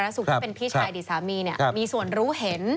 รัสสุทธิ์ที่เป็นพี่ชายดีสามีเนี่ยมีส่วนรู้เห็น